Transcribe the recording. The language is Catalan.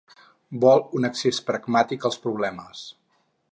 Vol un accés pragmàtic als problemes.